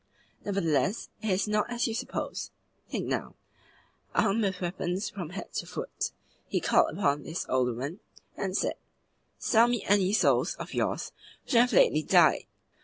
"Nevertheless, it is not as you suppose. Think, now! Armed with weapons from head to foot, he called upon this old woman, and said: 'Sell me any souls of yours which have lately died.